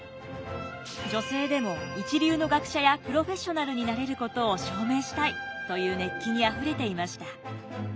女性でも一流の学者やプロフェッショナルになれることを証明したいという熱気にあふれていました。